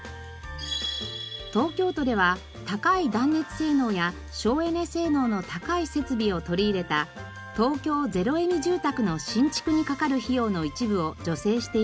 東京都では高い断熱性能や省エネ性能の高い設備を取り入れた「東京ゼロエミ住宅」の新築にかかる費用の一部を助成しています。